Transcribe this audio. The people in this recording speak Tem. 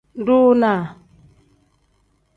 Dunaa.